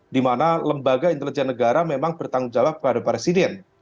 di mana lembaga intelijen negara memang bertanggung jawab pada presiden